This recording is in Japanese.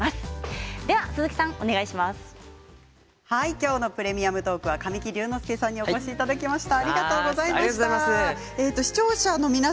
今日の「プレミアムトーク」は神木隆之介さんにお越しいただきました。